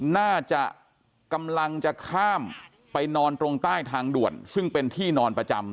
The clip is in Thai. น่าจะกำลังจะข้ามไปนอนตรงใต้ทางด่วนซึ่งเป็นที่นอนประจำ